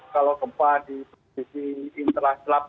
kalau gempa di posisi interaslap